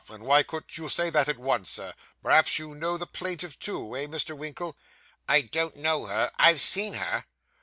And why couldn't you say that at once, Sir? Perhaps you know the plaintiff too? Eh, Mr. Winkle?' 'I don't know her; I've seen her.